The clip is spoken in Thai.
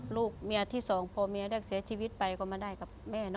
ลูกเมียที่สองพอเมียได้เสียชีวิตไปก็มาได้กับแม่